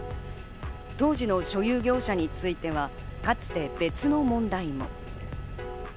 当時の所有業者についてはかつて別の問題も。